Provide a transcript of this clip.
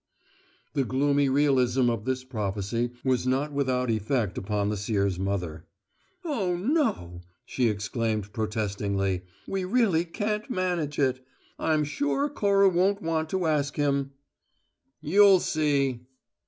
The gloomy realism of this prophecy was not without effect upon the seer's mother. "Oh, no!" she exclaimed, protestingly. "We really can't manage it. I'm sure Cora won't want to ask him " "You'll see!"